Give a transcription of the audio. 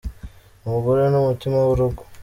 Umugore ni mutima w’urugo.